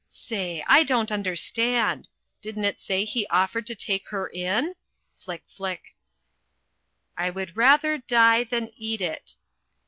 Say! I don't understand! Didn't it say he offered to take her in? Flick, flick! "I WOULD RATHER DIE THAN EAT IT."